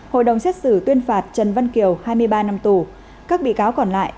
hội đồng xét xử tuyên phạt trần văn kiều hai mươi ba năm tù các bị cáo còn lại